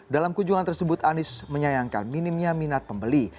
dalam kunjungan tersebut anies menyayangkan minimnya minat pembeli